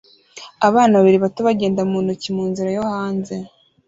Abana babiri bato bagenda mu ntoki munzira yo hanze